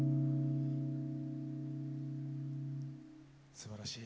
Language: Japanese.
すばらしい。